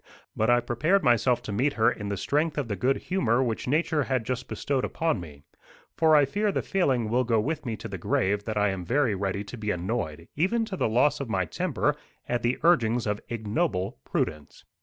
But I prepared myself to meet her in the strength of the good humour which nature had just bestowed upon me. For I fear the failing will go with me to the grave that I am very ready to be annoyed, even to the loss of my temper, at the urgings of ignoble prudence.